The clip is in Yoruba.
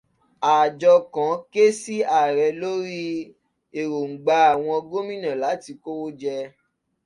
Àjọ kan ké sí ààrẹ lórí èròngbà àwọn Gómìnà láti kówó jẹ.